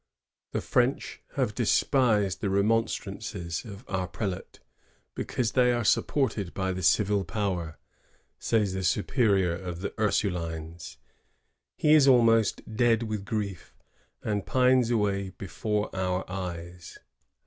^^ The French have despised the remonstrances of our prelate, because they are sup ported by the civil power," says the superior of the Ursulines. ^He is almost dead with grief, and pines away before our eyes."